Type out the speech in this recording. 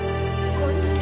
こんにちは。